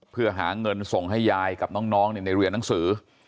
เพื่อหาเงินส่งให้ยายกับน้องในเรียนหนังสือ